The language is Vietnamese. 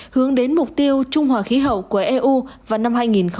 hướng đến mục tiêu trung hòa khí hậu của eu vào năm hai nghìn ba mươi